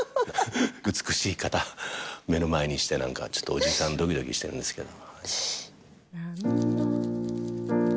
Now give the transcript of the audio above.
美しい方目の前にして何かちょっとおじさんドキドキしてるんですけど。